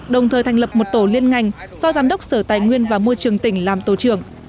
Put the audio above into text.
đồng thời thành lập một tổ liên ngành do giám đốc sở tài nguyên và môi trường tỉnh làm tổ trưởng